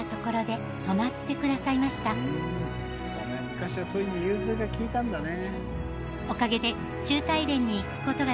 昔はそういう融通が利いたんだね。